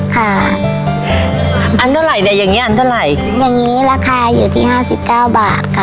ค่ะอันเท่าไหร่เนี่ยอย่างเงี้อันเท่าไหร่อย่างงี้ราคาอยู่ที่ห้าสิบเก้าบาทค่ะ